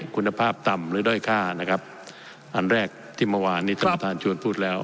คุณภาพต่ำหรือด้อยค่านะครับอันแรกที่เมื่อวานนี้ท่านประธานชวนพูดแล้ว